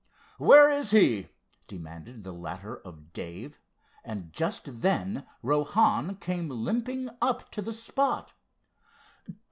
"Where is he?" demanded the latter of Dave, and just then Rohan came limping up to the spot.